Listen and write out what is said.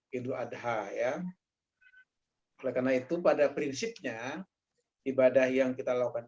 hidup adha ya oleh karena itu pada prinsipnya ibadah yang kita lakukan